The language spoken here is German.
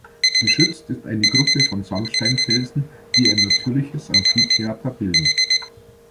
Geschützt ist eine Gruppe von Sandsteinfelsen, die ein natürliches Amphitheater bilden.